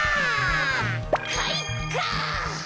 かいか！